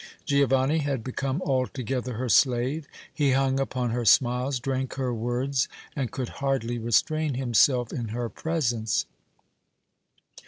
Giovanni had become altogether her slave. He hung upon her smiles, drank her words and could hardly restrain himself in her presence.